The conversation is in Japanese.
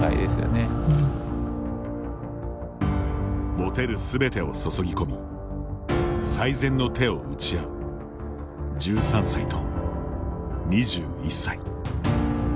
持てるすべてを注ぎ込み最善の手を打ち合う１３歳と２１歳。